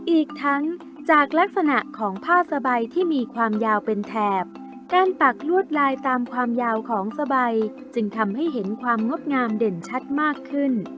อีกทั้งจากลักษณะของผ้าสบายที่มีความยาวเป็นแถบการปักลวดลายตามความยาวของสบายจึงทำให้เห็นความงดงามเด่นชัดมากขึ้น